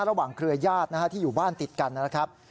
ระหว่างเครือยาฆที่อยู่บ้านติดกันนะครับ